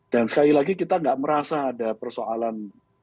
dan sekali lagi kita gak merasa ada persoalan